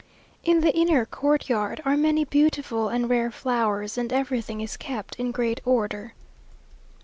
In the inner courtyard are many beautiful and rare flowers, and everything is kept in great order.